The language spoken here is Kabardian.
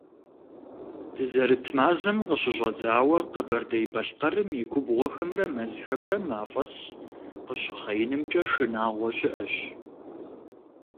Дызэрыт мазэм къыщыщӀэдзауэ Къэбэрдей-Балъкъэрым и губгъуэхэмрэ мэзхэмрэ мафӀэс къыщыхъеинымкӀэ шынагъуэ щыӀэщ.